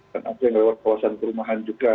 dan ada yang lewat kawasan perumahan juga